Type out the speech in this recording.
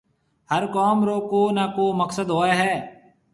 هر ڪوم رو ڪو نا ڪو مقسد هوئي هيَ۔